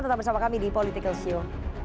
tetap bersama kami di political show